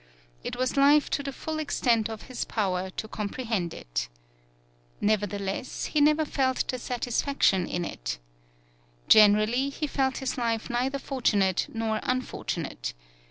It was life to the full extent of his power to comprehend it. Nevertheless he never felt the satisfaction in it. Gen erally he felt his life neither fortunate nor unfortunate.